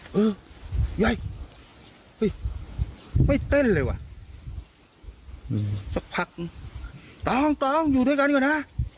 เออยายไม่เต้นเลยว่ะสักพักตองตองอยู่ด้วยกันก่อนนะ